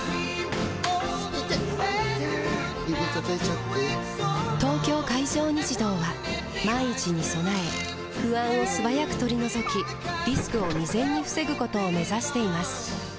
指たたいちゃって・・・「東京海上日動」は万一に備え不安を素早く取り除きリスクを未然に防ぐことを目指しています